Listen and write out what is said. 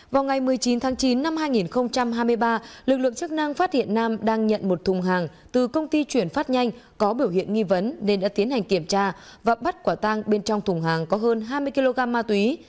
vào ngày một mươi chín tháng chín năm hai nghìn hai mươi ba lực lượng chức năng phát hiện nam đang nhận một thùng hàng từ công ty chuyển phát nhanh có biểu hiện nghi vấn nên đã tiến hành kiểm tra và bắt quả tang bên trong thùng hàng có hơn hai mươi kg ma túy